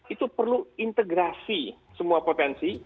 itu perlu integrasi semua potensi